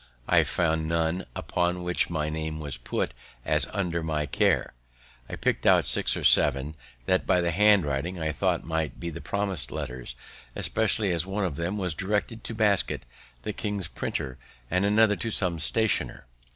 I found none upon which my name was put as under my care. I picked out six or seven, that, by the handwriting, I thought might be the promised letters, especially as one of them was directed to Basket, the king's printer, and another to some stationer.